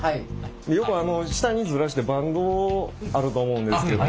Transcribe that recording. よく下にズラしてバンドあると思うんですけど。